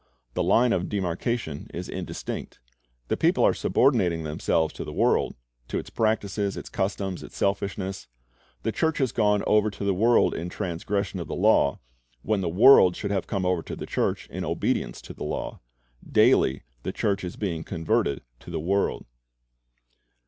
The line of demarcation is indistinct. The people are subordinating themselves to the world, to its practises, its customs, its selfishness. The church has gone over to the world in transgression of the law, when the world should have come over to the church in obedience to the law. Daily the church is being converted to the world.